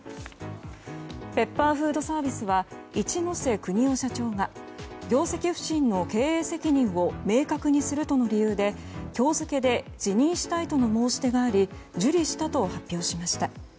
ペッパーフードサービスは一瀬邦夫社長が業績不振の経営責任を明確にするとの理由で今日付で辞任したいとの申し出があり受理したと発表しました。